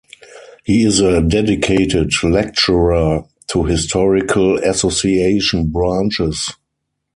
He is a dedicated lecturer to Historical Association branches.